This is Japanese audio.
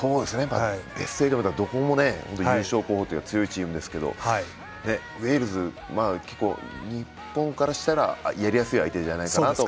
ベスト８はどこも優勝候補というか強いチームですけどウェールズ、結構日本からしたらやりやすい相手じゃないかなと。